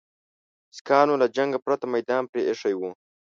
سیکهانو له جنګه پرته میدان پرې ایښی وو.